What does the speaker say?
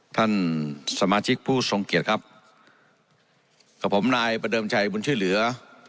ท่านสมาชิกผู้ทรงเกียจครับก็ผมนายเผตเดิมใจบุญชื่อเหลือ